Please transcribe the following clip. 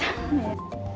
baru saya minum obat ya